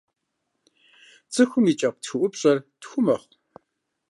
Цӏыхум и кӏэпкъ тхыӏупщэр тху мэхъу.